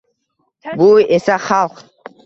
Bu esa xalq